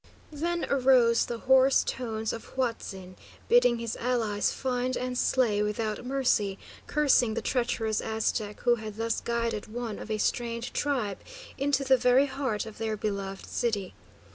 Then arose the hoarse tones of Huatzin, bidding his allies find and slay without mercy; cursing the treacherous Aztec who had thus guided one of a strange tribe into the very heart of their beloved city.